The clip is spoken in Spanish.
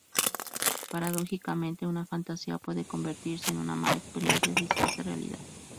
Paradójicamente una fantasía puede convertirse en una mala experiencia si se hace realidad.